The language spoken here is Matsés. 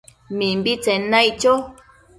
Mimbitsen naic cho